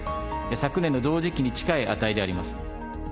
昨年の同時期に近い値であります。